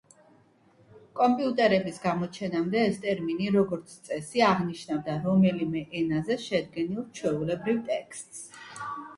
კომპიუტერების გამოჩენამდე ეს ტერმინი, როგორც წესი, აღნიშნავდა რომელიმე ენაზე შედგენილ ჩვეულებრივ ტექსტს.